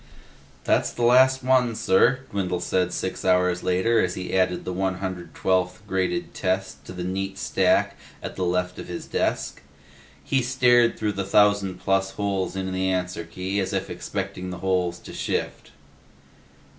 "That's the last one, sir," Dwindle said six hours later as he added the one hundred twelfth graded test to the neat stack at the left of his desk. He stared through the thousand plus holes in the answer key as if expecting the holes to shift.